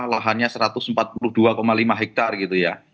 lahannya satu ratus empat puluh dua lima hektare gitu ya